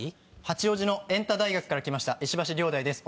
八王子のエンタ大学から来ました石橋遼大です。